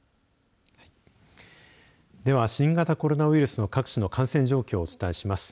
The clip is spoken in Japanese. では、新型コロナウイルスの各地の感染状況をお伝えします。